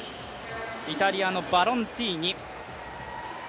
イタリアのバロンティーニ。